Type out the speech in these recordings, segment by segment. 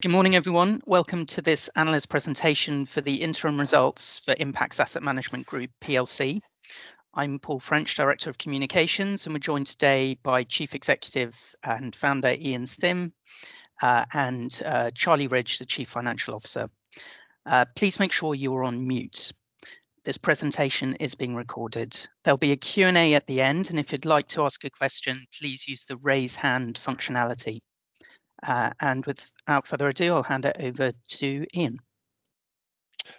Good morning, everyone. Welcome to this analyst presentation for the interim results for Impax Asset Management Group PLC. I'm Paul French, Director of Communications, and we're joined today by Chief Executive and Founder, Ian Simm, and Charlie Ridge, the Chief Financial Officer. Please make sure you are on mute. This presentation is being recorded. There'll be a Q&A at the end, and if you'd like to ask a question, please use the raise hand functionality. Without further ado, I'll hand it over to Ian.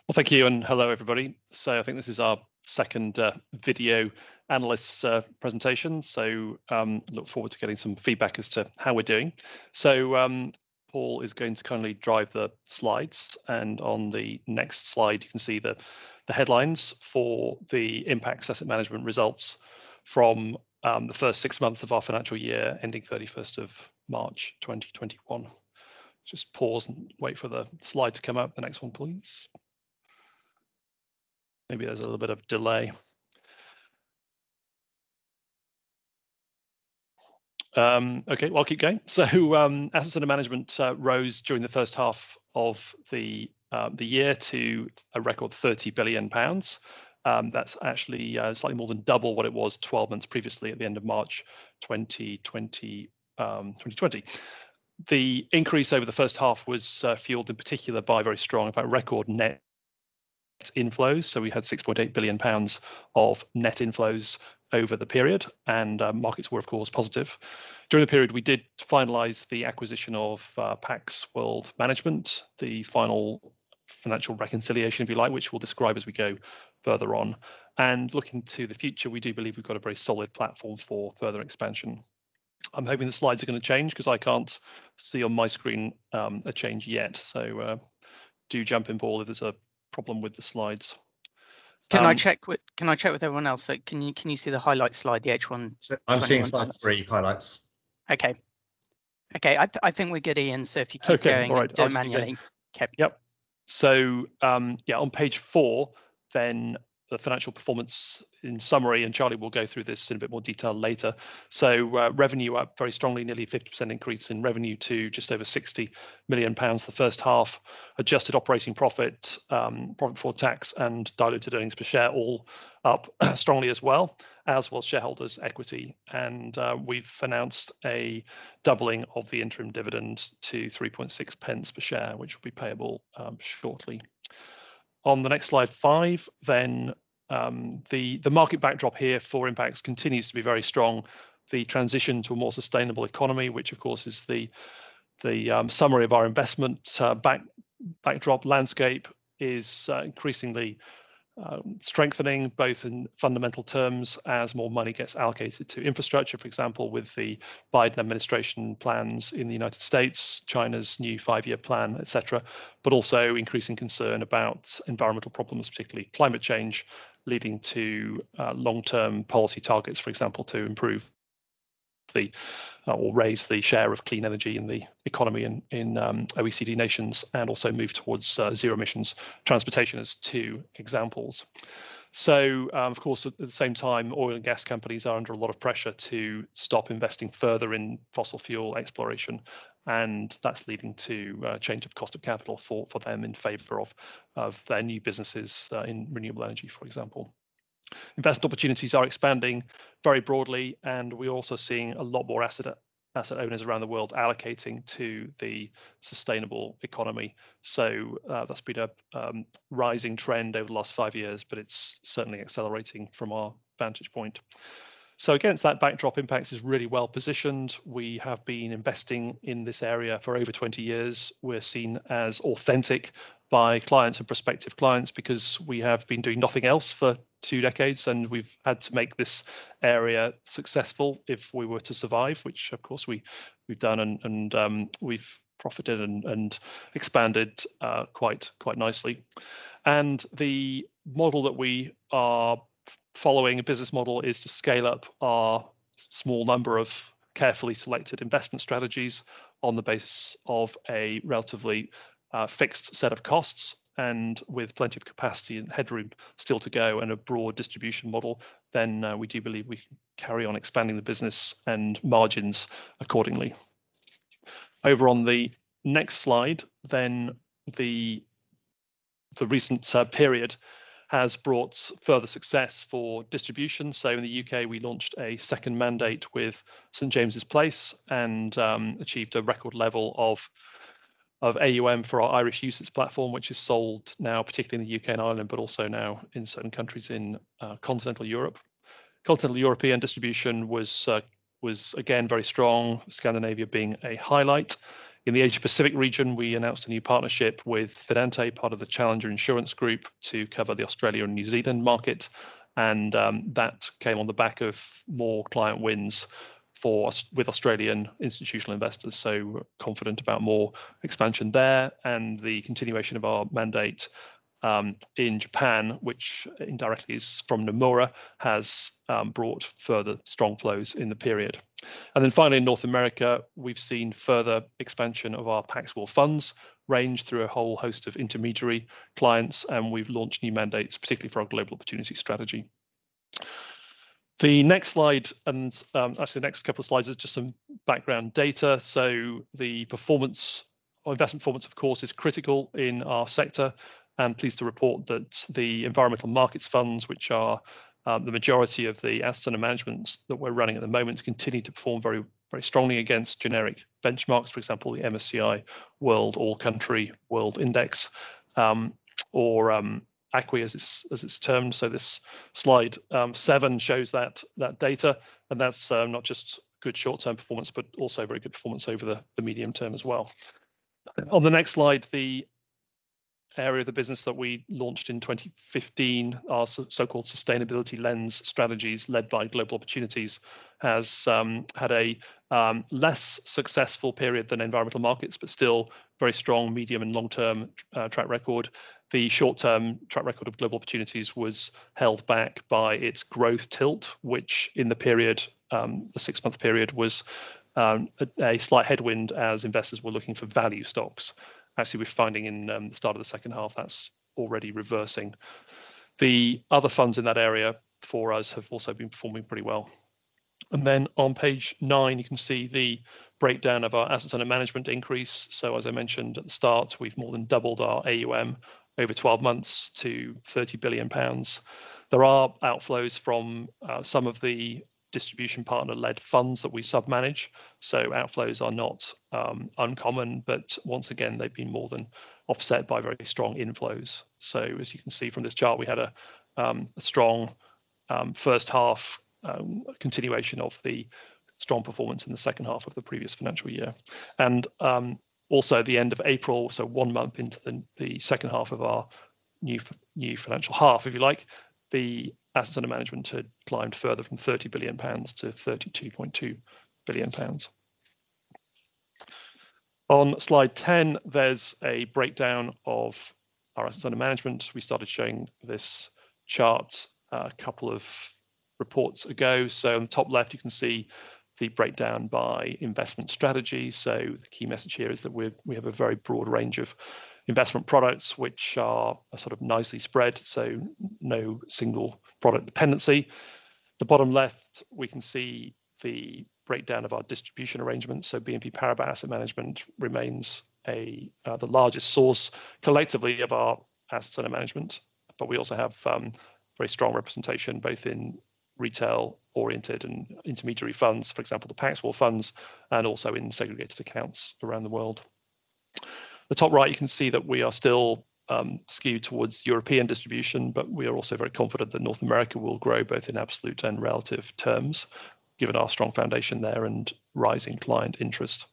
Well, thank you, and hello everybody. I think this is our second video analyst presentation, so look forward to getting some feedback as to how we're doing. Paul is going to kindly drive the slides, and on the next slide you can see the headlines for the Impax Asset Management results from the first six months of our financial year, ending 31st of March 2021. Just pause and wait for the slide to come up. The next one, please. Maybe there's a little bit of delay. I'll keep going. Asset Under Management rose during the first half of the year to a record 30 billion pounds. That's actually slightly more than double what it was 12 months previously at the end of March 2020. The increase over the first half was fueled in particular by very strong record net inflows. We had 6.8 billion pounds of net inflows over the period, and markets were, of course, positive. During the period, we did finalize the acquisition of Pax World Management, the final financial reconciliation, if you like, which we'll describe as we go further on. Looking to the future, we do believe we've got a very solid platform for further expansion. I'm hoping the slide's going to change, because I can't see on my screen a change yet. Do jump in, Paul, if there's a problem with the slides. Can I check with everyone else, can you see the highlights slide, the H1? I'm seeing slide three, highlights. Okay. I think we're good, Ian, so if you keep going. Okay. Don't manually. Yeah, on page four then, the financial performance in summary. Charlie will go through this in a bit more detail later. Revenue up very strongly, nearly 50% increase in revenue to just over 60 million pounds for the first half. Adjusted operating profit before tax and diluted earnings per share all up strongly as well, as was shareholders' equity. We've announced a doubling of the interim dividend to 0.036 per share, which will be payable shortly. On the next slide five then, the market backdrop here for Impax continues to be very strong. The transition to a more sustainable economy, which of course is the summary of our investment backdrop landscape, is increasingly strengthening, both in fundamental terms as more money gets allocated to infrastructure, for example, with the Biden administration plans in the United States, China's new Five-Year Plan, et cetera. Also increasing concern about environmental problems, particularly climate change, leading to long-term policy targets, for example, to improve or raise the share of clean energy in the economy in OECD nations, and also move towards zero emissions transportation as two examples. Of course at the same time, oil and gas companies are under a lot of pressure to stop investing further in fossil fuel exploration, and that's leading to a change of cost of capital for them in favor of their new businesses in renewable energy, for example. Investment opportunities are expanding very broadly and we're also seeing a lot more asset owners around the world allocating to the sustainable economy. That's been a rising trend over the last five years, but it's certainly accelerating from our vantage point. Against that backdrop, Impax is really well positioned. We have been investing in this area for over 20 years. We're seen as authentic by clients and prospective clients because we have been doing nothing else for two decades, and we've had to make this area successful if we were to survive. Which of course we've done, and we've profited and expanded quite nicely. The model that we are following, the business model, is to scale up our small number of carefully selected investment strategies on the basis of a relatively fixed set of costs. With plenty of capacity and headroom still to go and a broad distribution model, then we do believe we can carry on expanding the business and margins accordingly. Over on the next slide then, the recent period has brought further success for distribution. In the U.K. we launched a second mandate with St. James's Place and achieved a record level of AUM for our Irish UCITS platform, which is sold now particularly in the U.K. and Ireland, but also now in certain countries in continental Europe. Continental European distribution was again very strong, Scandinavia being a highlight. In the Asia Pacific region, we announced a new partnership with Fidante, part of the Challenger Group, to cover the Australia and New Zealand market, and that came on the back of more client wins with Australian institutional investors. We are confident about more expansion there and the continuation of our mandate, in Japan, which indirectly is from Nomura, has brought further strong flows in the period. Finally, North America, we've seen further expansion of our Pax World Funds range through a whole host of intermediary clients, and we've launched new mandates, particularly for our Global Opportunities strategy. The next slide, and actually the next couple of slides, are just some background data. The investment performance, of course, is critical in our sector and pleased to report that the environmental markets funds, which are the majority of the assets under management that we're running at the moment, continue to perform very strongly against generic benchmarks. For example, the MSCI World or Country World Index, or ACWI as it's termed. This slide seven shows that data, and that's not just good short-term performance, but also very good performance over the medium term as well. On the next slide, the area of the business that we launched in 2015, our so-called sustainability lens strategies led by Global Opportunities, has had a less successful period than environmental markets, but still very strong medium and long-term track record. The short-term track record of Global Opportunities was held back by its growth tilt, which in the six-month period was a slight headwind as investors were looking for value stocks. Actually, we're finding in the start of the second half that's already reversing. The other funds in that area for us have also been performing pretty well. Then on page nine, you can see the breakdown of our assets under management increase. As I mentioned at the start, we've more than doubled our AUM over 12 months to 30 billion pounds. There are outflows from some of the distribution partner-led funds that we sub-manage. Outflows are not uncommon, but once again, they've been more than offset by very strong inflows. As you can see from this chart, we had a strong first half continuation of the strong performance in the second half of the previous financial year. Also at the end of April, one month into the second half of our new financial half, if you like, the assets under management had climbed further from 30 billion pounds to 32.2 billion pounds. On slide 10, there's a breakdown of our assets under management. We started showing this chart a couple of reports ago. On the top left, you can see the breakdown by investment strategy. The key message here is that we have a very broad range of investment products which are sort of nicely spread, so no single product dependency. The bottom left, we can see the breakdown of our distribution arrangements. BNP Paribas Asset Management remains the largest source collectively of our assets under management. We also have very strong representation both in retail-oriented and intermediary funds, for example, the Pax World Funds, and also in segregated accounts around the world. The top right, you can see that we are still skewed towards European distribution, but we are also very confident that North America will grow both in absolute and relative terms, given our strong foundation there and rising client interest.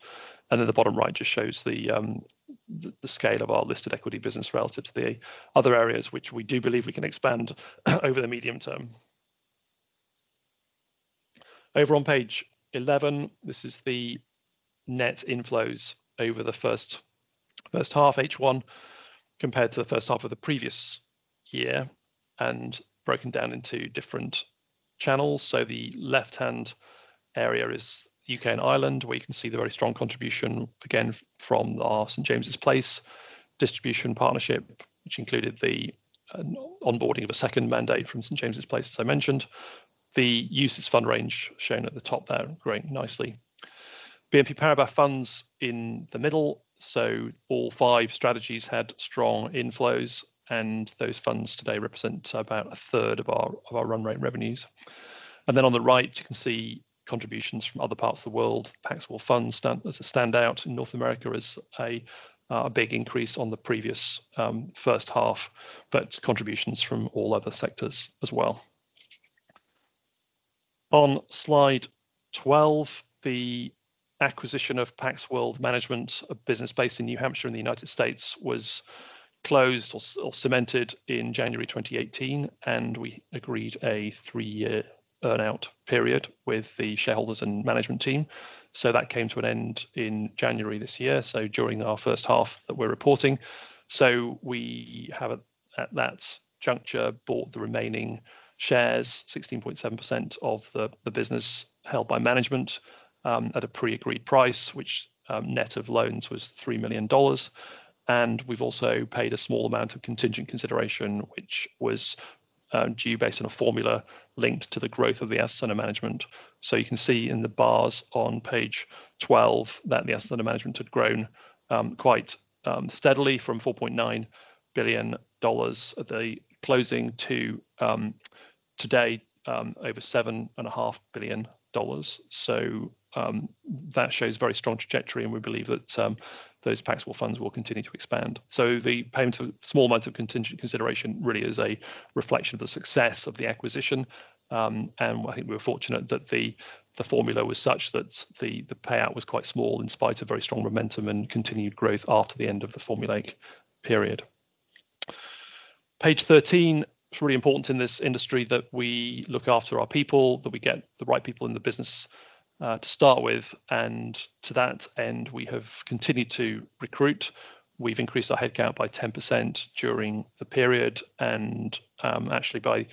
The bottom right just shows the scale of our listed equity business relative to the other areas which we do believe we can expand over the medium term. Over on page 11, this is the net inflows over the first half, H1, compared to the first half of the previous year and broken down into different channels. The left-hand area is U.K. and Ireland, where you can see the very strong contribution, again from our St. James's Place distribution partnership, which included the onboarding of a second mandate from St. James's Place, as I mentioned. The UCITS fund range shown at the top there growing nicely. BNP Paribas funds in the middle. All five strategies had strong inflows, and those funds today represent about a third of our run rate revenues. On the right, you can see contributions from other parts of the world. Pax World Funds as a standout in North America is a big increase on the previous first half, but contributions from all other sectors as well. On slide 12, the acquisition of Pax World Management, a business based in New Hampshire in the U.S., was closed or cemented in January 2018, and we agreed a three-year earn-out period with the shareholders and management team. That came to an end in January this year, during our first half that we're reporting. We have, at that juncture, bought the remaining shares, 16.7% of the business held by management at a pre-agreed price, which net of loans was $3 million. We've also paid a small amount of contingent consideration, which was due based on a formula linked to the growth of the assets under management. You can see in the bars on page 12 that the assets under management had grown quite steadily from $4.9 billion at a closing to today, over $7.5 billion. That shows very strong trajectory, and we believe that those Pax World Funds will continue to expand. The payment for the small amount of contingent consideration really is a reflection of the success of the acquisition, and we're fortunate that the formula was such that the payout was quite small in spite of very strong momentum and continued growth after the end of the formula period. Page 13, it's really important in this industry that we look after our people, that we get the right people in the business to start with. To that end, we have continued to recruit. We've increased our headcount by 10% during the period. Actually, by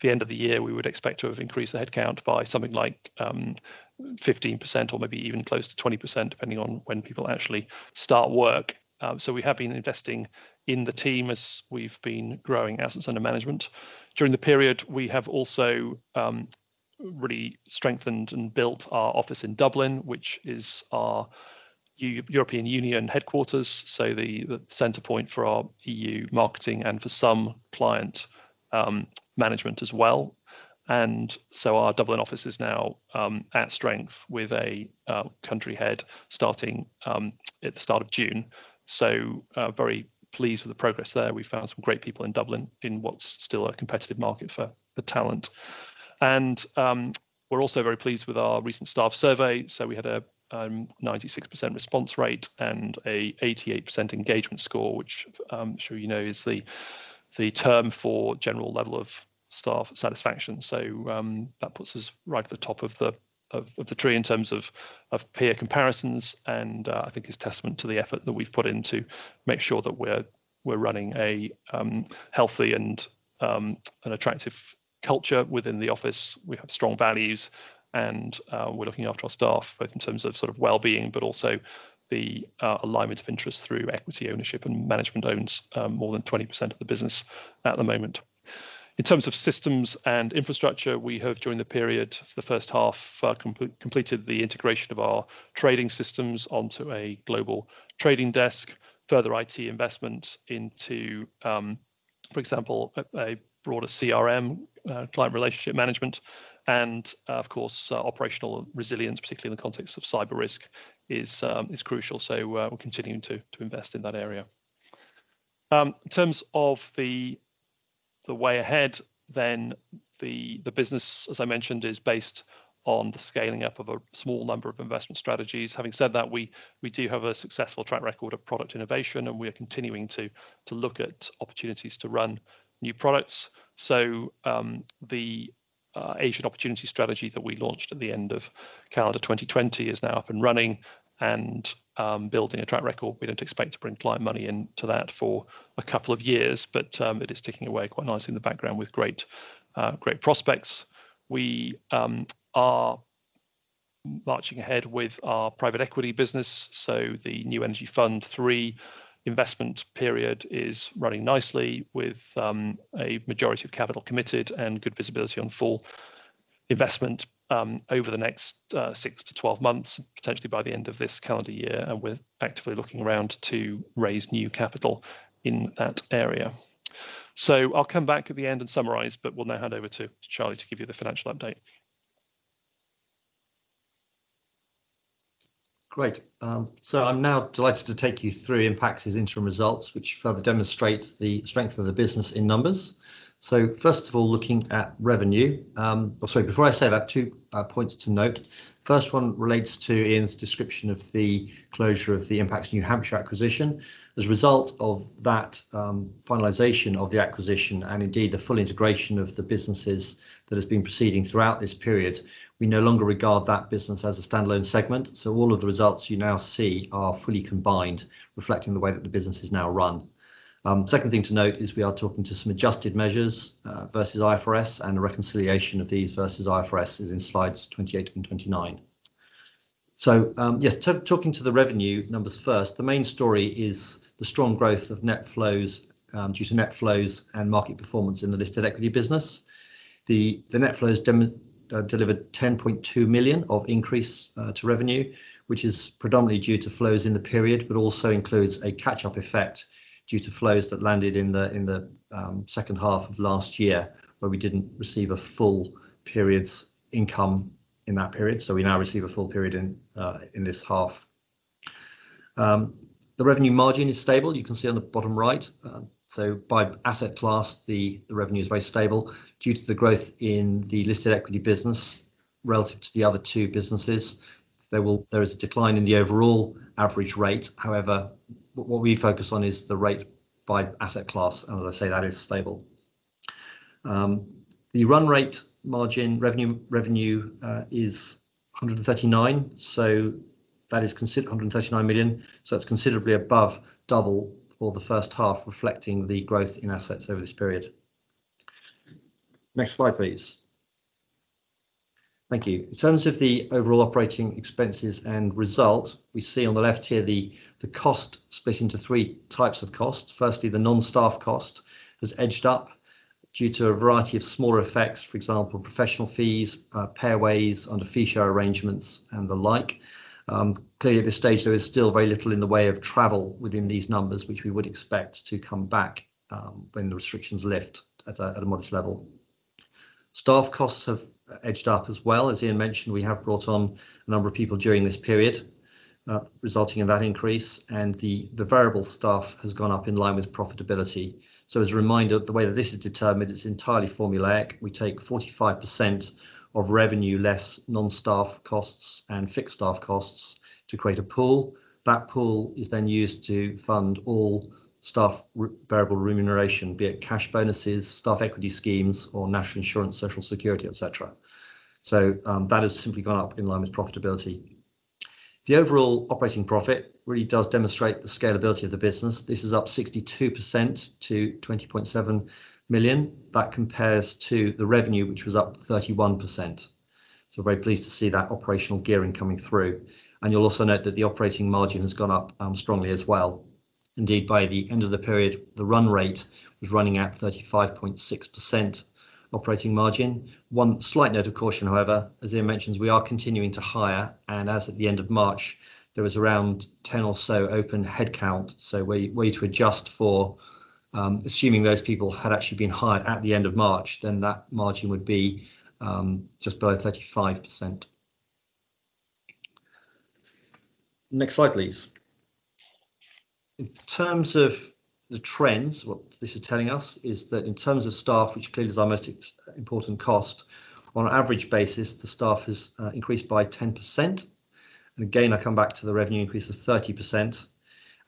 the end of the year, we would expect to have increased the headcount by something like 15% or maybe even close to 20%, depending on when people actually start work. We have been investing in the team as we've been growing assets under management. During the period, we have also really strengthened and built our office in Dublin, which is our European Union headquarters, so the center point for our EU marketing and for some client management as well. Our Dublin office is now at strength with a country head starting at the start of June. Very pleased with the progress there. We found some great people in Dublin in what's still a competitive market for talent. We're also very pleased with our recent staff survey. We had a 96% response rate and an 88% engagement score, which I'm sure you know, is the term for general level of staff satisfaction. That puts us right at the top of the tree in terms of peer comparisons and I think is testament to the effort that we've put in to make sure that we're running a healthy and an attractive culture within the office. We have strong values and we're looking after our staff both in terms of sort of wellbeing, but also the alignment of interest through equity ownership and management owns more than 20% of the business at the moment. In terms of systems and infrastructure, we have, during the period, the first half completed the integration of our trading systems onto a global trading desk. Further IT investment into, for example, a broader CRM, client relationship management, and of course, operational resilience, particularly in the context of cyber risk is crucial. We're continuing to invest in that area. In terms of the way ahead, the business, as I mentioned, is based on the scaling up of a small number of investment strategies. Having said that, we do have a successful track record of product innovation, we are continuing to look at opportunities to run new products. The Asian opportunity strategy that we launched at the end of calendar 2020 is now up and running and building a track record. We don't expect to bring client money into that for a couple of years, it is ticking away quite nicely in the background with great prospects. We are marching ahead with our private equity business. The New Energy Fund 3 investment period is running nicely with a majority of capital committed and good visibility on full investment over the next six to 12 months, potentially by the end of this calendar year. We're actively looking around to raise new capital in that area. I'll come back at the end and summarize. We'll now hand over to Charlie to give you the financial update. I'm now delighted to take you through Impax's interim results, which further demonstrate the strength of the business in numbers. First of all, looking at revenue. Oh, sorry, before I say that, two points to note. First one relates to Ian's description of the closure of the Impax New Hampshire acquisition. As a result of that finalization of the acquisition and indeed a full integration of the businesses that has been proceeding throughout this period, we no longer regard that business as a standalone segment. All of the results you now see are fully combined, reflecting the way that the business is now run. Second thing to note is we are talking to some adjusted measures versus IFRS and a reconciliation of these versus IFRS is in slides 28 and 29. Yes, talking to the revenue numbers first, the main story is the strong growth of net flows due to net flows and market performance in the listed equity business. The net flows delivered 10.2 million of increase to revenue, which is predominantly due to flows in the period, but also includes a catch-up effect due to flows that landed in the second half of last year where we didn't receive a full period's income in that period. We now receive a full period in this half. The revenue margin is stable, you can see on the bottom right. By asset class, the revenue is very stable. Due to the growth in the listed equity business relative to the other two businesses, there is a decline in the overall average rate. What we focus on is the rate by asset class, and as I say, that is stable. The run rate margin revenue is 139. That is 139 million, that's considerably above double for the first half, reflecting the growth in assets over this period. Next slide, please. Thank you. In terms of the overall operating expenses and result, we see on the left here the cost split into three types of costs. Firstly, the non-staff cost has edged up due to a variety of smaller effects. For example, professional fees, payaways under fee share arrangements and the like. Clearly, at this stage, there is still very little in the way of travel within these numbers, which we would expect to come back when the restrictions lift at a much level. Staff costs have edged up as well. As Ian mentioned, we have brought on a number of people during this period, resulting in that increase, the variable staff has gone up in line with profitability. As a reminder, the way that this is determined, it's entirely formulaic. We take 45% of revenue, less non-staff costs and fixed staff costs to create a pool. That pool is used to fund all staff variable remuneration, be it cash bonuses, staff equity schemes or national insurance, social security, et cetera. That has simply gone up in line with profitability. The overall operating profit really does demonstrate the scalability of the business. This is up 62% to 20.7 million. That compares to the revenue, which was up 31%. We're very pleased to see that operational gearing coming through. You'll also note that the operating margin has gone up strongly as well. Indeed, by the end of the period, the run rate was running at 35.6% operating margin. One slight note of caution, however, as Ian mentioned, we are continuing to hire, and as at the end of March, there was around 10 or so open headcounts. We're to adjust for assuming those people had actually been hired at the end of March, then that margin would be just below 35%. Next slide, please. In terms of the trends, what this is telling us is that in terms of staff, which clearly is our most important cost, on average basis, the staff has increased by 10%. Again, I come back to the revenue increase of 30%.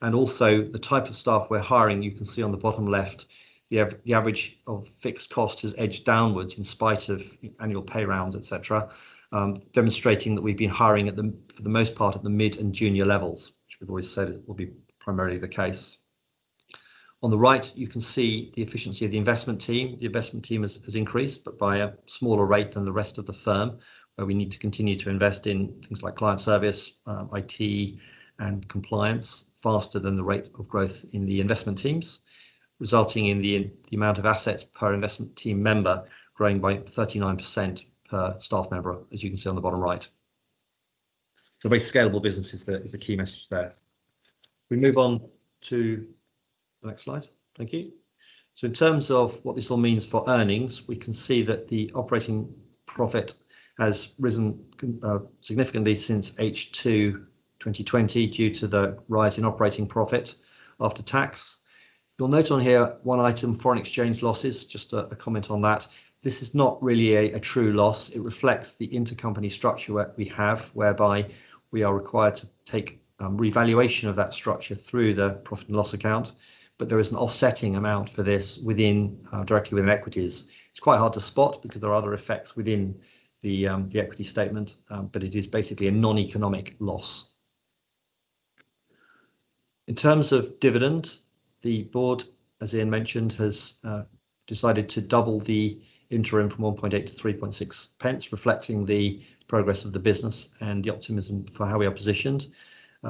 Also the type of staff we're hiring, you can see on the bottom left, the average of fixed cost has edged downwards in spite of annual pay rounds, et cetera, demonstrating that we've been hiring for the most part at the mid and junior levels, which we've always said will be primarily the case. On the right, you can see the efficiency of the investment team. The investment team has increased, but by a smaller rate than the rest of the firm, where we need to continue to invest in things like client service, IT, and compliance faster than the rate of growth in the investment teams, resulting in the amount of assets per investment team member growing by 39% per staff member, as you can see on the bottom right. Very scalable business is the key message there. We move on to the next slide. Thank you. In terms of what this all means for earnings, we can see that the operating profit has risen significantly since H2 2020 due to the rise in operating profit after tax. You'll note on here one item, foreign exchange losses, just a comment on that. This is not really a true loss. It reflects the intercompany structure we have whereby we are required to take revaluation of that structure through the profit and loss account, but there is an offsetting amount for this within our equities. It's quite hard to spot because there are other effects within the equity statement, but it is basically a noneconomic loss. In terms of dividend, the board, as Ian mentioned, has decided to double the interim from 0.018 to 0.036, reflecting the progress of the business and the optimism for how we are positioned.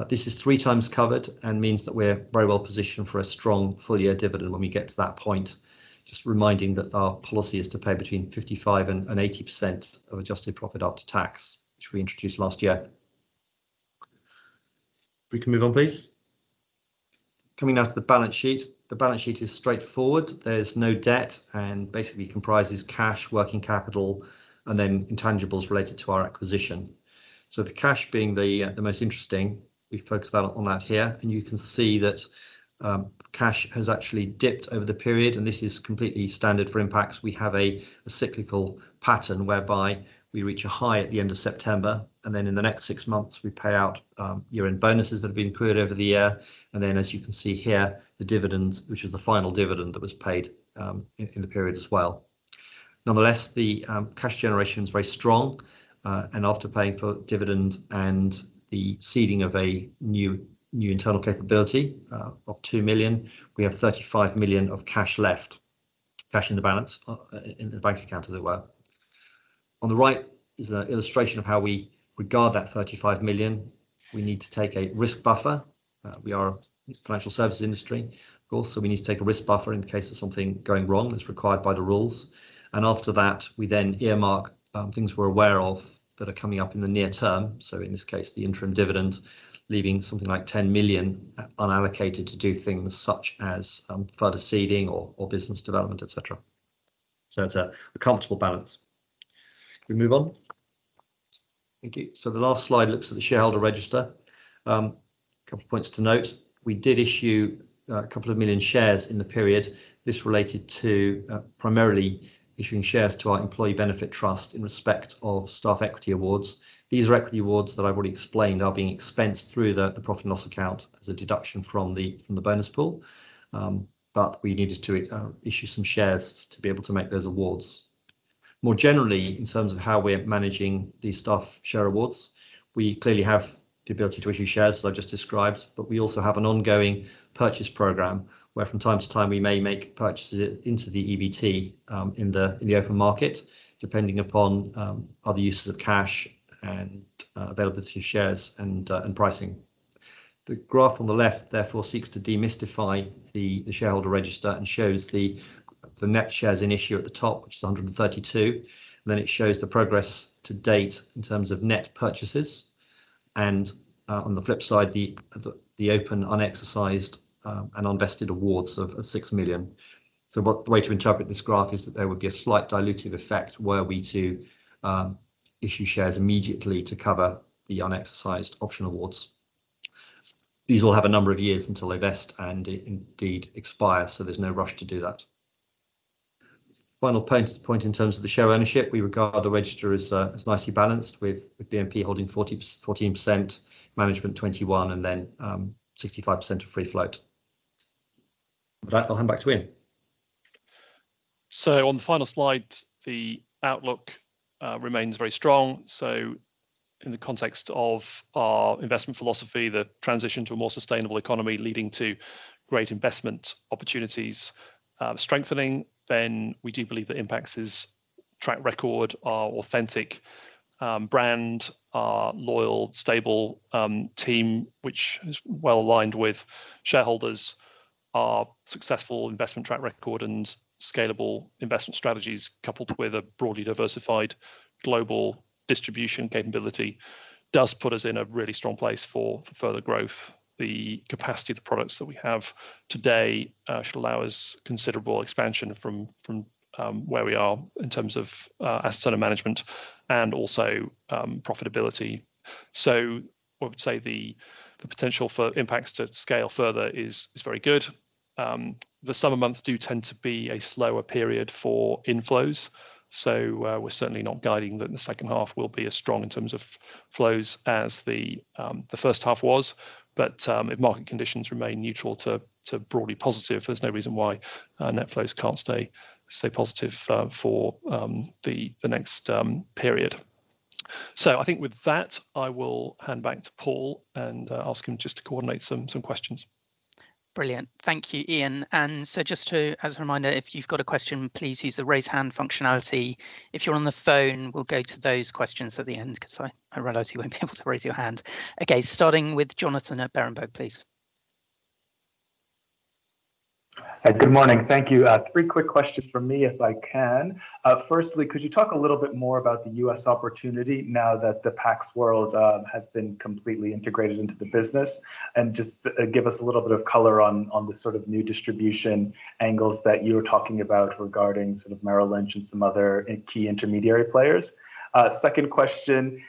This is three times covered and means that we're very well positioned for a strong full-year dividend when we get to that point. Just reminding you that our policy is to pay between 55% and 80% of adjusted profit after tax, which we introduced last year. We can move on, please. Coming now to the balance sheet. The balance sheet is straightforward. There's no debt and basically comprises cash, working capital, and then intangibles related to our acquisition. The cash being the most interesting, we focus on that here. You can see that cash has actually dipped over the period, and this is completely standard for Impax. We have a cyclical pattern whereby we reach a high at the end of September, and then in the next six months, we pay out year-end bonuses that have been accrued over the year. As you can see here, the dividends, which are the final dividend that was paid in the period as well. Nonetheless, the cash generation is very strong, and after paying for dividend and the seeding of a new internal capability of 2 million, we have 35 million of cash left, cash in the balance in the bank account, as it were. On the right is an illustration of how we regard that 35 million. We need to take a risk buffer. We are a financial services industry. We also need to take a risk buffer in case of something going wrong as required by the rules. After that, we then earmark things we are aware of that are coming up in the near term, so in this case, the interim dividend, leaving something like 10 million unallocated to do things such as further seeding or business development, et cetera. It is a comfortable balance. Can we move on? Thank you. The last slide looks at the shareholder register. A couple of points to note. We did issue a couple of million shares in the period. This related to primarily issuing shares to our employee benefit trust in respect of staff equity awards. These equity awards that I have already explained are being expensed through the profit and loss account as a deduction from the bonus pool, we needed to issue some shares to be able to make those awards. More generally, in terms of how we're managing these staff share awards, we clearly have the ability to issue shares as I just described, but we also have an ongoing purchase program where from time to time, we may make purchases into the EBT in the open market, depending upon other uses of cash and availability of shares and pricing. The graph on the left, therefore, seeks to demystify the shareholder register and shows the net shares in issue at the top, which is 132. Then it shows the progress to date in terms of net purchases. On the flip side, the open unexercised and unvested awards of 6 million. One way to interpret this graph is that there would be a slight dilutive effect were we to issue shares immediately to cover the unexercised option awards. These will have a number of years until they vest and indeed expire, so there's no rush to do that. Final point in terms of the share ownership. We regard the register as nicely balanced with BNP holding 14%, management 21%, and then 65% of free float. With that, I'll hand back to Ian. On the final slide, the outlook remains very strong. In the context of our investment philosophy, the transition to a more sustainable economy leading to great investment opportunities strengthening, we do believe that Impax's track record, our authentic brand, our loyal, stable team, which is well-aligned with shareholders, our successful investment track record, and scalable investment strategies, coupled with a broadly diversified global distribution capability, does put us in a really strong place for further growth. The capacity of the products that we have today should allow us considerable expansion from where we are in terms of asset management and also profitability. I would say the potential for Impax to scale further is very good. The summer months do tend to be a slower period for inflows, we're certainly not guiding that the second half will be as strong in terms of flows as the first half was. If market conditions remain neutral to broadly positive, there's no reason why net flows can't stay positive for the next period. I think with that, I will hand back to Paul and ask him just to coordinate some questions. Brilliant. Thank you, Ian. Just as a reminder, if you've got a question, please use the raise hand functionality. If you're on the phone, we'll go to those questions at the end because I realize you won't be able to raise your hand. Okay, starting with Jonathan at Berenberg, please. Good morning. Thank you. Three quick questions from me, if I can. Firstly, could you talk a little bit more about the U.S. opportunity now that the Pax World has been completely integrated into the business? Just give us a little bit of color on the sort of new distribution angles that you were talking about regarding sort of Merrill Lynch and some other key intermediary players. Second question.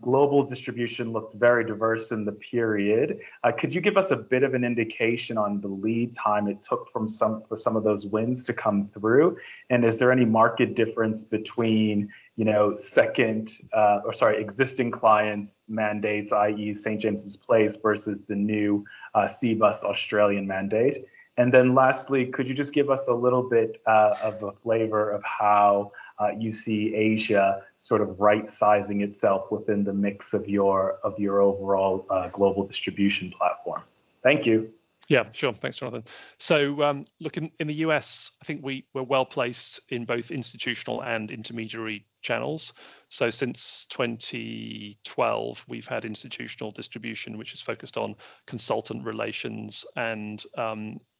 Global distribution looked very diverse in the period. Could you give us a bit of an indication on the lead time it took for some of those wins to come through? Is there any market difference between existing clients mandates, i.e. St. James's Place versus the new Cbus Australia mandate? Lastly, could you just give us a little bit of a flavor of how you see Asia sort of right-sizing itself within the mix of your overall global distribution platform? Thank you. Yeah, sure. Thanks, Jonathan. Looking in the U.S., I think we're well-placed in both institutional and intermediary channels. Since 2012, we've had institutional distribution, which has focused on consultant relations and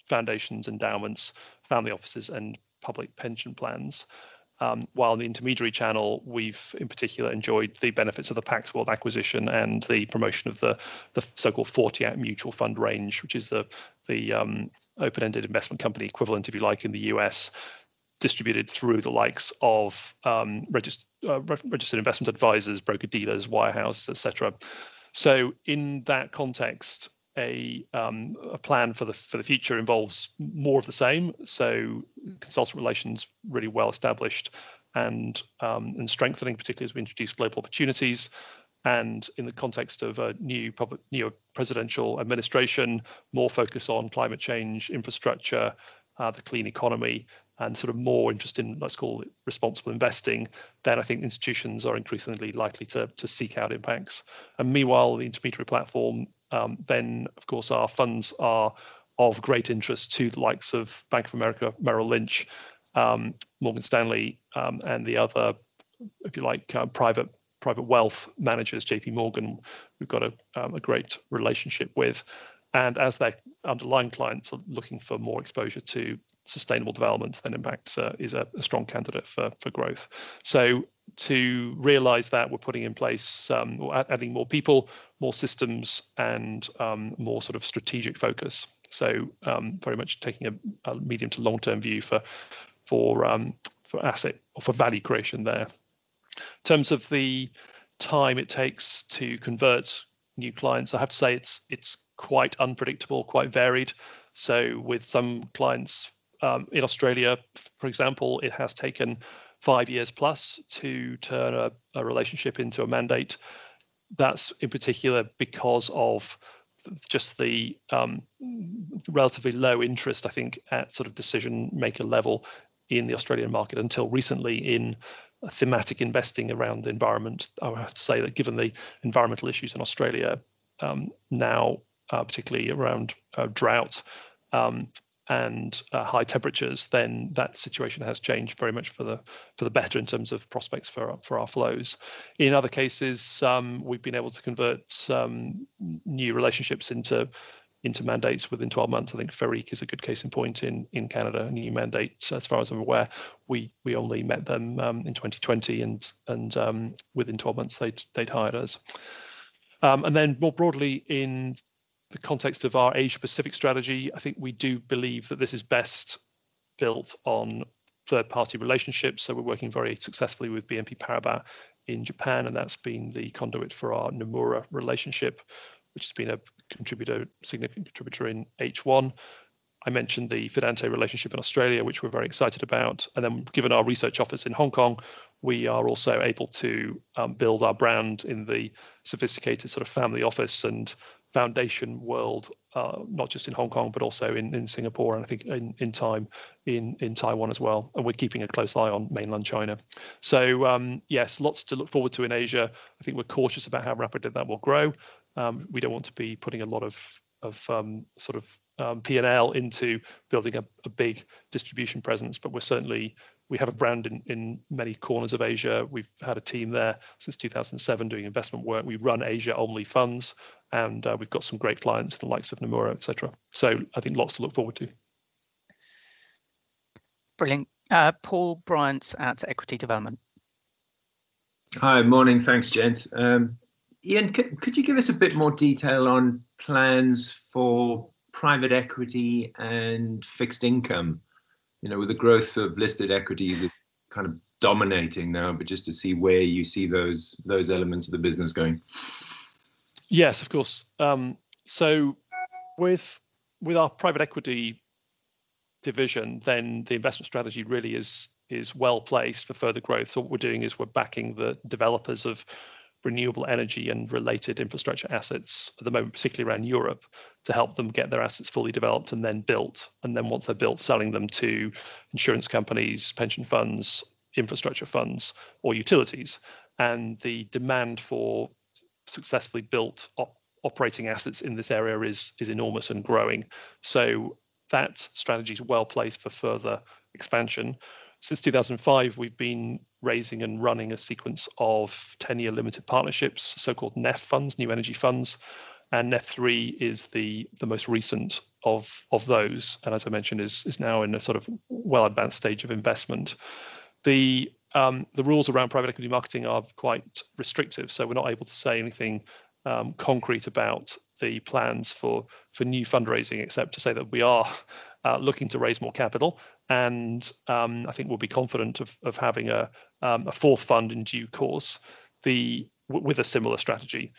foundations, endowments, family offices, and public pension plans. While in the intermediary channel, we've in particular enjoyed the benefits of the Pax World acquisition and the promotion of the so-called 40 Act mutual fund range, which is the open-ended investment company equivalent, if you like, in the U.S., distributed through the likes of registered investment advisors, broker-dealers, wirehouses, etc. In that context, a plan for the future involves more of the same. Consultant relations, really well established and strengthening, particularly as we introduce Global Opportunities. In the context of a new presidential administration, more focused on climate change, infrastructure, the clean economy, and sort of more interest in, let's call it responsible investing, then I think institutions are increasingly likely to seek out Impax. Meanwhile, the intermediary platform, then, of course, our funds are of great interest to the likes of Bank of America, Merrill Lynch, Morgan Stanley, and the other, if you like, private wealth managers, JP Morgan, who we've got a great relationship with. As their underlying clients are looking for more exposure to sustainable development, then Impax is a strong candidate for growth. To realize that, we're adding more people, more systems, and more sort of strategic focus. Very much taking a medium to long-term view for value creation there. In terms of the time it takes to convert new clients, I have to say it's quite unpredictable, quite varied. With some clients in Australia, for example, it has taken five years plus to turn a relationship into a mandate. That's in particular because of just the relatively low interest, I think, at sort of decision-maker level in the Australian market until recently in thematic investing around the environment. I have to say that given the environmental issues in Australia now, particularly around droughts and high temperatures, then that situation has changed very much for the better in terms of prospects for our flows. In other cases, we've been able to convert some new relationships into mandates within 12 months. I think Fiera is a good case in point in Canada, a new mandate, as far as I'm aware. We only met them in 2020, and within 12 months, they'd hired us. More broadly, in the context of our Asia Pacific strategy, I think we do believe that this is best built on third-party relationships. We're working very successfully with BNP Paribas in Japan, and that's been the conduit for our Nomura relationship, which has been a significant contributor in H1. I mentioned the Fidante relationship in Australia, which we're very excited about. Given our research office in Hong Kong, we are also able to build our brand in the sophisticated sort of family office and foundation world, not just in Hong Kong, but also in Singapore, and I think in time, in Taiwan as well. We're keeping a close eye on mainland China. Yes, lots to look forward to in Asia. I think we're cautious about how rapidly that will grow. We don't want to be putting a lot of sort of P&L into building a big distribution presence. We have a brand in many corners of Asia. We've had a team there since 2007 doing investment work. We run Asia-only funds, we've got some great clients, the likes of Nomura, et cetera. I think lots to look forward to. Brilliant. Paul Bryant, Equity Development. Hi. Morning. Thanks, gents. Ian, could you give us a bit more detail on plans for private equity and fixed income, with the growth of listed equity kind of dominating now, but just to see where you see those elements of the business going? Yes, of course. With our private equity division, then the investment strategy really is well-placed for further growth. What we're doing is we're backing the developers of renewable energy and related infrastructure assets at the moment, particularly around Europe, to help them get their assets fully developed and then built. Once they're built, selling them to insurance companies, pension funds, infrastructure funds or utilities. The demand for successfully built operating assets in this area is enormous and growing. That strategy is well-placed for further expansion. Since 2005, we've been raising and running a sequence of 10-year limited partnerships, so-called NEF funds, New Energy Funds, and NEF III is the most recent of those, and as I mentioned, is now in a sort of well-advanced stage of investment. The rules around private equity marketing are quite restrictive, so we're not able to say anything concrete about the plans for new fundraising except to say that we are looking to raise more capital, and I think we'll be confident of having a fourth fund in due course with a similar strategy.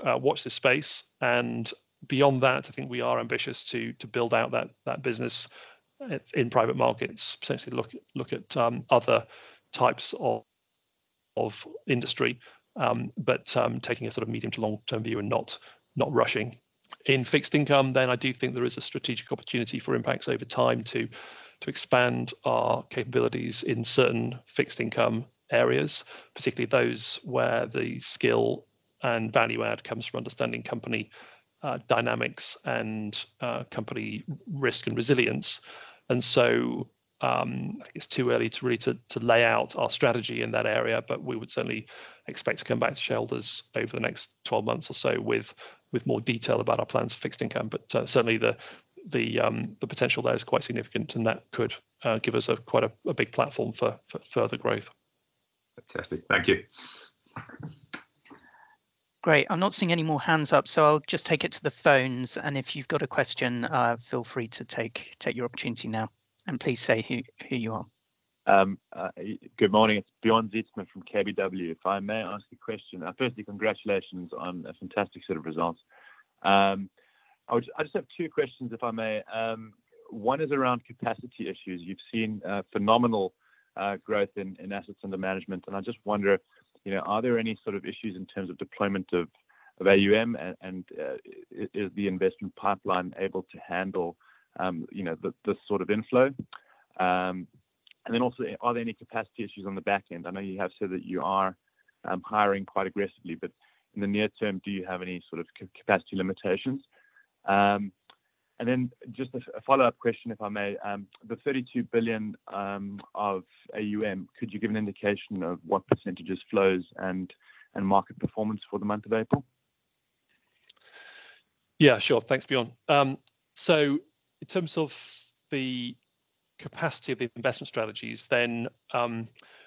Watch this space, and beyond that, I think we are ambitious to build out that business in private markets, potentially look at other types of industry. Taking a sort of medium to long-term view and not rushing. In fixed income, then I do think there is a strategic opportunity for Impax over time to expand our capabilities in certain fixed income areas, particularly those where the skill and value add comes from understanding company dynamics and company risk and resilience. I think it's too early to lay out our strategy in that area, but we would certainly expect to come back to shareholders over the next 12 months or so with more detail about our plans for fixed income. Certainly the potential there is quite significant, and that could give us quite a big platform for further growth. Fantastic. Thank you. Great. I'm not seeing any more hands up, so I'll just take it to the phones. If you've got a question, feel free to take your opportunity now, and please say who you are. Good morning. It's Bjorn Zietsman from KBW. If I may ask a question. Firstly, congratulations on a fantastic set of results. I just have two questions, if I may. One is around capacity issues. You've seen phenomenal growth in assets under management, and I just wonder, are there any sort of issues in terms of deployment of AUM, and is the investment pipeline able to handle this sort of inflow? Also, are there any capacity issues on the back end? I know you have said that you are hiring quite aggressively, but in the near term, do you have any sort of capacity limitations? Just a follow-up question, if I may. The 32 billion of AUM, could you give an indication of what % is flows and market performance for the month of April? Yeah, sure. Thanks, Bjorn. In terms of the capacity of the investment strategies,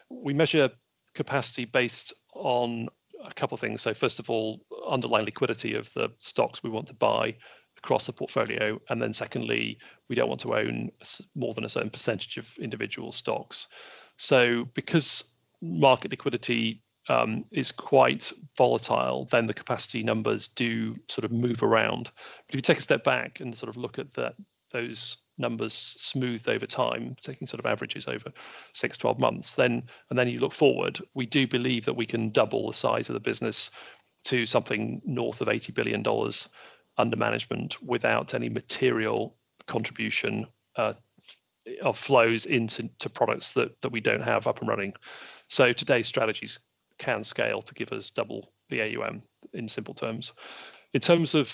we measure capacity based on a couple things. First of all, underlying liquidity of the stocks we want to buy across the portfolio, secondly, we don't want to own more than a certain percentage of individual stocks. Because market liquidity is quite volatile, the capacity numbers do sort of move around. If you take a step back and sort of look at those numbers smoothed over time, taking sort of averages over six to 12 months, you look forward, we do believe that we can double the size of the business to something north of $80 billion under management without any material contribution of flows into products that we don't have up and running. Today's strategies can scale to give us double the AUM in simple terms. In terms of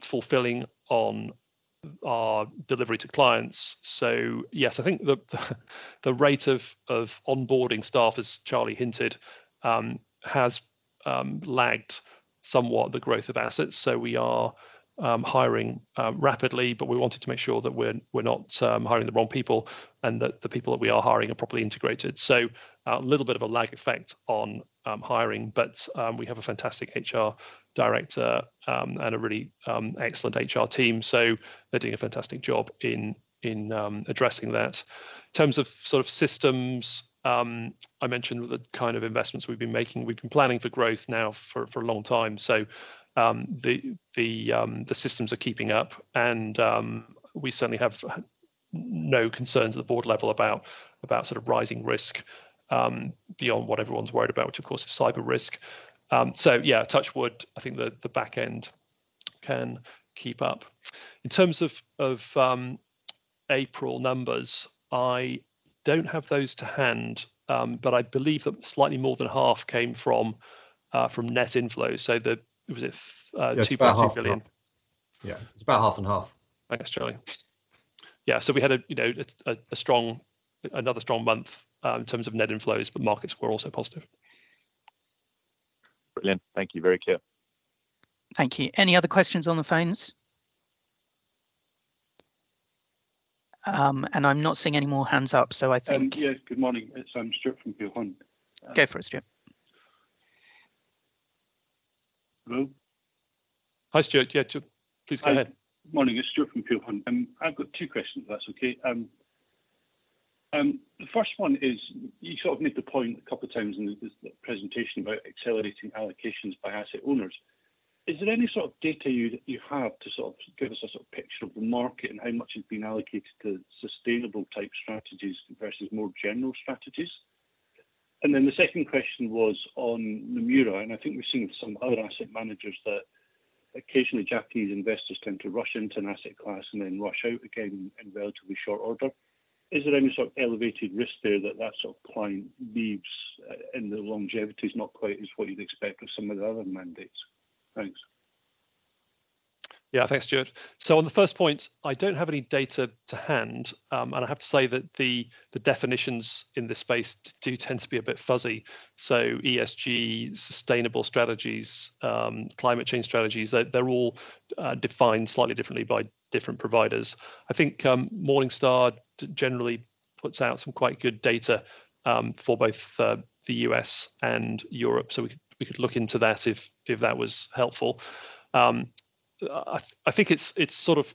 fulfilling on our delivery to clients. Yes, I think the rate of onboarding staff, as Charlie hinted, has lagged somewhat the growth of assets. We are hiring rapidly, but we wanted to make sure that we're not hiring the wrong people and that the people that we are hiring are properly integrated. A little bit of a lag effect on hiring, but we have a fantastic HR director and a really excellent HR team, so they're doing a fantastic job in addressing that. In terms of sort of systems, I mentioned the kind of investments we've been making. We've been planning for growth now for a long time. The systems are keeping up, and we certainly have no concerns at board level about rising risk beyond what everyone's worried about, which of course is cyber risk. Yeah, touch wood, I think the back end can keep up. In terms of April numbers, I don't have those to hand, but I believe that slightly more than half came from net inflow, so it was 2.2 billion. Yeah. It's about half and half. Thanks, Charlie. Yeah. We had another strong month in terms of net inflows. Markets were also positive. Brilliant. Thank you very much. Thank you. Any other questions on the phones? I'm not seeing any more hands up. Yes. Good morning. It's Stuart from Peel Hunt. Go for it, Stuart. Hello? Hi, Stuart. Yeah. Please go ahead. Hello. Morning. It's Stuart from Peel Hunt, and I've got two questions, if that's okay. The first one is, you sort of made the point a couple of times in the presentation about accelerating allocations by asset owners. Is there any sort of data you have to sort of give us a picture of the market and how much has been allocated to sustainable type strategies versus more general strategies? The second question was on Nomura, and I think we've seen with some other asset managers that occasionally Japanese investors tend to rush into an asset class and then rush out again in relatively short order. Is there any sort of elevated risk there that sort of client leaves, and their longevity is not quite as what you'd expect of some of the other mandates? Thanks. Yeah. Thanks, Stuart. On the first point, I don't have any data to hand. I have to say that the definitions in this space do tend to be a bit fuzzy. ESG, sustainable strategies, climate change strategies, they're all defined slightly differently by different providers. I think Morningstar generally puts out some quite good data for both the U.S. and Europe, so we could look into that if that was helpful. I think it's sort of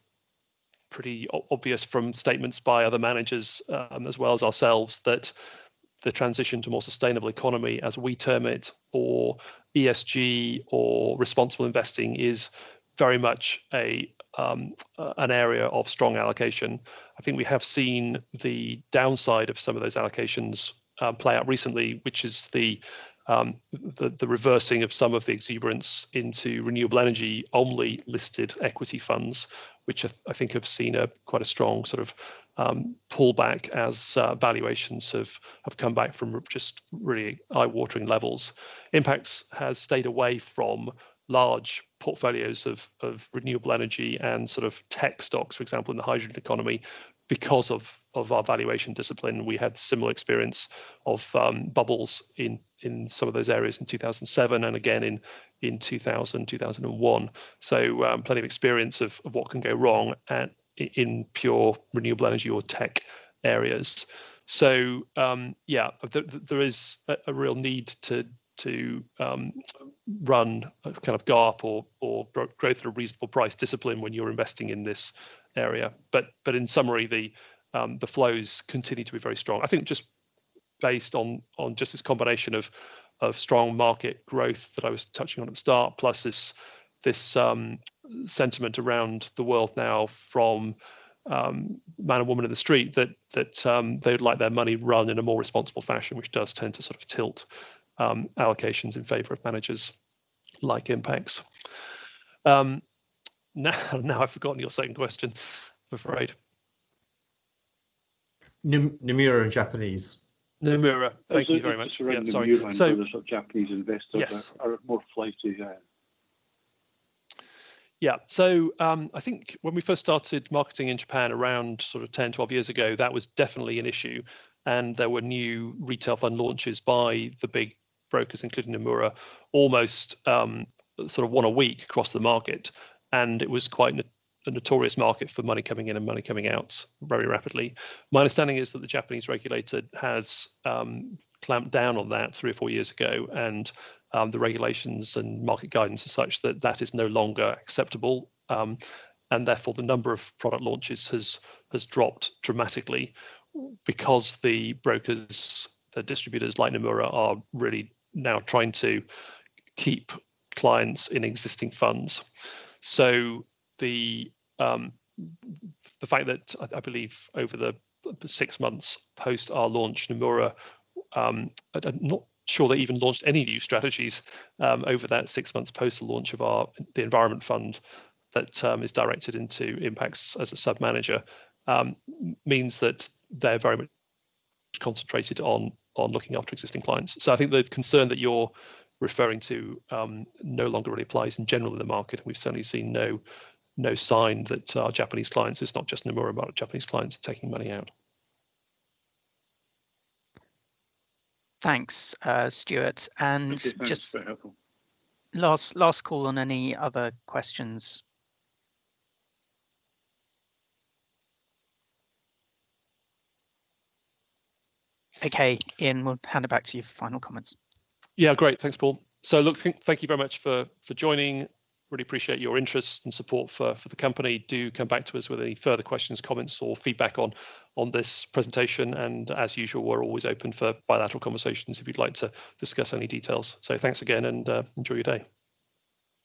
pretty obvious from statements by other managers, as well as ourselves, that the transition to a more sustainable economy, as we term it, or ESG, or responsible investing, is very much an area of strong allocation. I think we have seen the downside of some of those allocations play out recently, which is the reversing of some of the exuberance into renewable energy, only listed equity funds, which I think have seen a quite a strong sort of pullback as valuations have come back from just really eye-watering levels. Impax has stayed away from large portfolios of renewable energy and sort of tech stocks, for example, in the hydrogen economy because of our valuation discipline. We had similar experience of bubbles in some of those areas in 2007 and again in 2000, 2001. Plenty of experience of what can go wrong in pure renewable energy or tech areas. Yeah, there is a real need to run a kind of GARP or growth at a reasonable price discipline when you're investing in this area. In summary, the flows continue to be very strong. I think just based on just this combination of strong market growth that I was touching on at the start, plus this sentiment around the world now from man and woman in the street that they'd like their money run in a more responsible fashion, which does tend to sort of tilt allocations in favor of managers like Impax. Now I've forgotten your second question, I'm afraid. Nomura and Japanese. Nomura. Thank you very much. Sorry. Retail fund flows of Japanese investors. Yes are at much lower today. I think when we first started marketing in Japan around sort of 10, 12 years ago, that was definitely an issue, and there were new retail fund launches by the big brokers, including Nomura, almost sort of one a week across the market. It was quite a notorious market for money coming in and money coming out very rapidly. My understanding is that the Japanese regulator has clamped down on that three or four years ago, and the regulations and market guidance are such that that is no longer acceptable. Therefore, the number of product launches has dropped dramatically because the brokers, the distributors like Nomura, are really now trying to keep clients in existing funds. The fact that, I believe, over the six months post our launch, Nomura, I'm not sure they even launched any new strategies over that six months post the launch of the environment fund that is directed into Impax as a submanager, means that they're very much concentrated on looking after existing clients. I think the concern that you're referring to no longer applies in general in the market. We've certainly seen no sign that our Japanese clients, it's not just Nomura, but our Japanese clients are taking money out. Thanks, Stuart. Okay. Most helpful. Last call on any other questions. Okay, Ian, we'll hand it back to you for final comments. Yeah, great. Thanks, Paul. Look, thank you very much for joining. Really appreciate your interest and support for the company. Do come back to us with any further questions, comments, or feedback on this presentation, and as usual, we're always open for bilateral conversations if you'd like to discuss any details. Thanks again, and enjoy your day.